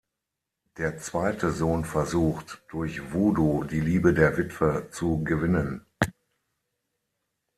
Der zweite Sohn versucht, durch Voodoo die Liebe der Witwe zu gewinnen.